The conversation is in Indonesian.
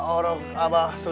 orang abah sudah sembuh